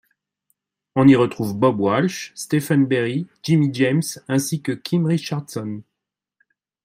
On y retrouve Bob Walsh, Stephen Barry, Jimmy James ainsi que Kim Richardson.